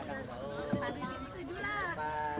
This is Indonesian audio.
di lulut jua